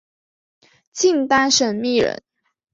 契丹审密人。